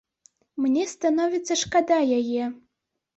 Мне становіцца шкада яе.